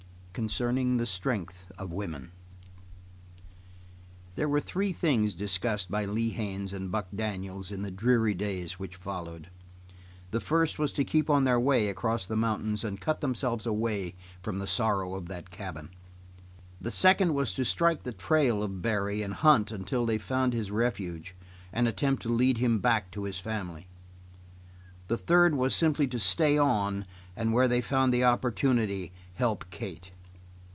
Concerning The Strength Of Women There were three things discussed by Lee Haines and Buck Daniels in the dreary days which followed. The first was to keep on their way across the mountains and cut themselves away from the sorrow of that cabin. The second was to strike the trail of Barry and hunt until they found his refuge and attempt to lead him back to his family. The third was simply to stay on and where they found the opportunity, help Kate.